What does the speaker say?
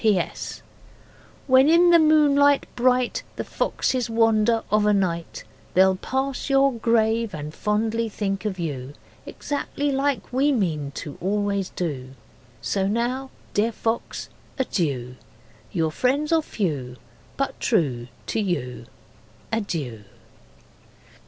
P. S. When in the moonlight bright The foxes wander of a night, They'll pass your grave and fondly think of you, Exactly like we mean to always do. So now, dear fox, adieu! Your friends are few But true To you. Adieu!'